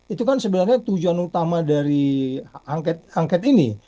itu kan sebenarnya tujuan utama dari angket ini